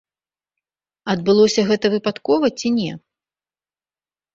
Адбылося гэта выпадкова ці не?